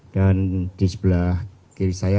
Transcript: dan di sebelah kiri saya